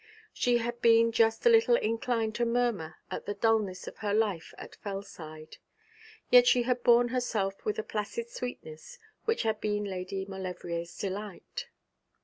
She had been just a little inclined to murmur at the dulness of her life at Fellside; yet she had borne herself with a placid sweetness which had been Lady Maulevrier's delight.